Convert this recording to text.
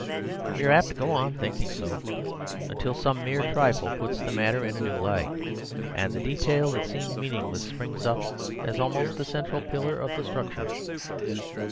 We are apt to go on thinking so until some mere trifle puts the matter in a new light, and the detail that seemed meaningless springs up as almost the central pillar of the structure.